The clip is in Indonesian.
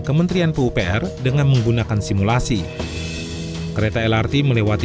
jembatan bentang lengkung lrt